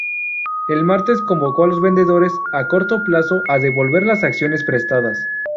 El martes convocó a los vendedores a corto plazo a devolver las acciones prestadas.